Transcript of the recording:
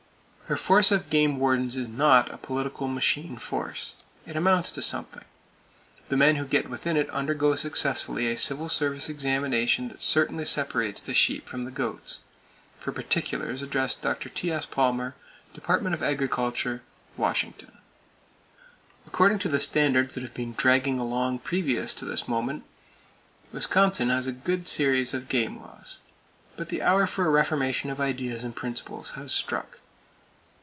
Her force of game wardens is not a political machine force. It amounts to something. The men who get within it undergo successfully a civil service examination that certainly separates the sheep from the goats. For particulars address Dr. T.S. Palmer, Department of Agriculture, Washington. According to the standards that have been dragging along previous to this moment, Wisconsin has a good series of game laws. But the hour for a Reformation of ideas and principles has struck.